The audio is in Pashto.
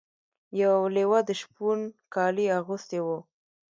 یو لیوه د شپون کالي اغوستي وو.